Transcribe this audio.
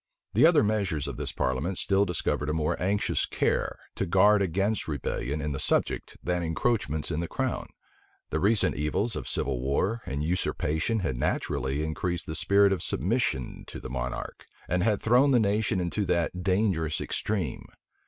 The other measures of this parliament still discovered a more anxious care to guard against rebellion in the subject than encroachments in the crown; the recent evils of civil war and usurpation had naturally increased the spirit of submission to the monarch, and had thrown the nation into that dangerous extreme.